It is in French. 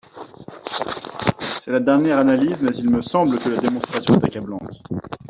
C’est la dernière analyse, mais il me semble que la démonstration est accablante.